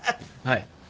はい。